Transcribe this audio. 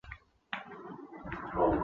现已退隐歌坛。